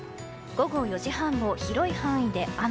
午後４時半も広い範囲で雨。